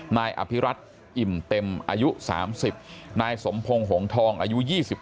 นายอภิรัตนอิ่มเต็มอายุ๓๐นายสมพงศ์หงทองอายุ๒๓